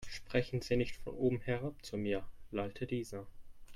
Sprechen Sie nicht von oben herab zu mir, lallte dieser.